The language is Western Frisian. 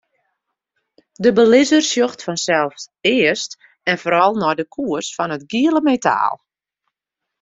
De belizzer sjocht fansels earst en foaral nei de koers fan it giele metaal.